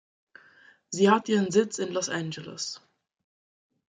Sie hat ihren Sitz in Los Angeles.